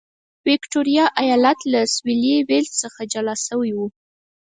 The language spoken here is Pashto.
ویکټوریا ایالت له سوېلي ویلز څخه جلا شوی و.